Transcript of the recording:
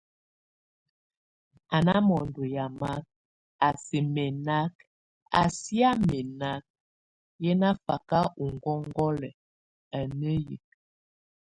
A na mondo yamak, a si mɛnak, a si á mɛnak, yé nafak ó ŋgɔŋgɔlɛk, a néye.